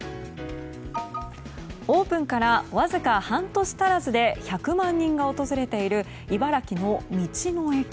オープンからわずか半年足らずで１００万人が訪れている茨城の道の駅。